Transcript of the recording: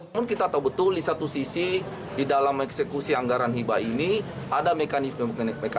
namun kita tahu betul di satu sisi di dalam eksekusi anggaran hibah ini ada mekanisme mekanisme